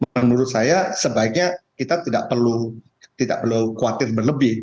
menurut saya sebaiknya kita tidak perlu khawatir berlebih